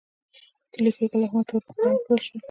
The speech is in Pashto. د ليک لیکل احمد ته ور پر غاړه کړل شول.